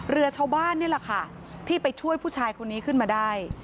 เรือชาวบ้านนี่แหละค่ะที่ไปช่วยผู้ชายคนนี้ขึ้นมาได้